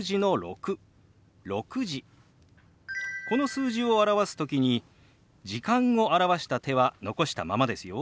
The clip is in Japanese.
この数字を表す時に「時間」を表した手は残したままですよ。